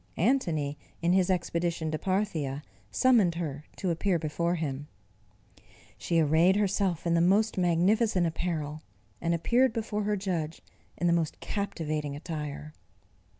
Antony, in his expedition to Parthia, summoned her to appear before him. She arrayed herself in the most magnificent apparel, and appeared before her judge in the most captivating attire.